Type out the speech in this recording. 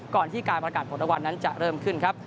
ก่อนที่การบรรกาญประวัติศาลมันมันจะเริ่มขึ้นครับ